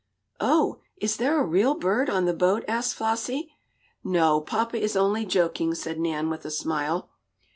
"Oh, is there a real bird on the boat?" asked Flossie. "No, papa is only joking," said Nan, with a smile.